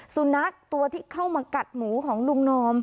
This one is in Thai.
สุนัขตัวที่เข้ามากัดหมูของลุงนอม